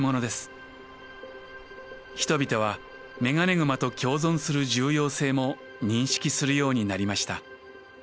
人々はメガネグマと共存する重要性も認識するようになりました。